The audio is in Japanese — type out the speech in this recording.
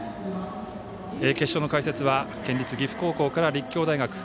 決勝の解説は県立岐阜高校から立教大学